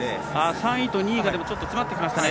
３位と２位が詰まってきましたね。